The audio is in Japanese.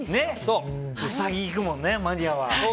うさぎいくもんね、マニアは。